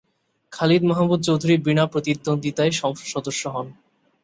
খালিদ মাহমুদ চৌধুরী বিনা প্রতিদ্বন্দ্বীতায় সংসদ সদস্য হন।